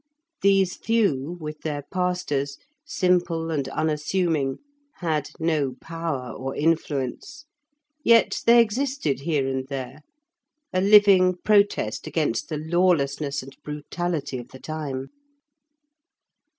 These few, with their pastors, simple and unassuming, had no power or influence; yet they existed here and there, a living protest against the lawlessness and brutality of the time.